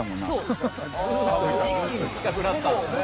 一気に近くなったんですね。